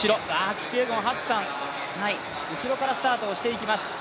キピエゴン、ハッサン、後ろからスタートしていきます。